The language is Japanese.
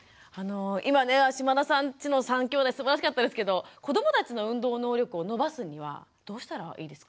今ね嶋田さんちの３きょうだいすばらしかったですけど子どもたちの運動能力を伸ばすにはどうしたらいいですか？